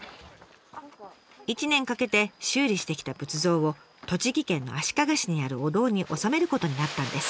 １年かけて修理してきた仏像を栃木県の足利市にあるお堂に納めることになったんです。